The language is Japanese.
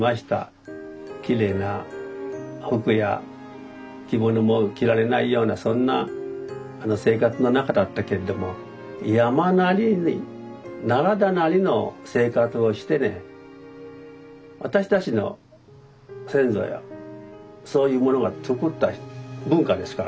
きれいな服や着物も着られないようなそんな生活の中だったけんども山なりに奈良田なりの生活をしてね私たちの先祖やそういうものがつくった文化ですからね。